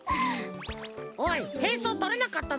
おいへんそうとれなかったぞ。